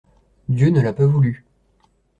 Dieu ne l'a pas voulu.